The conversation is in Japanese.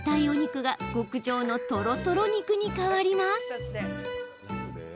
お肉が極上のとろとろ肉に変わります。